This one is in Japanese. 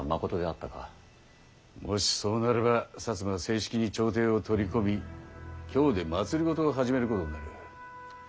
もしそうなれば摩は正式に朝廷を取り込み京で政を始めることになる。